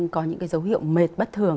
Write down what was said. có những cái dấu hiệu mệt bất thường